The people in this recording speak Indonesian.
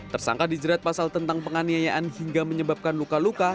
tersangka dijerat pasal tentang penganiayaan hingga menyebabkan luka luka